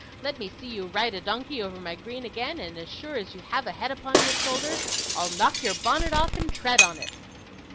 'Let me see you ride a donkey over my green again, and as sure as you have a head upon your shoulders, I'll knock your bonnet off, and tread upon it!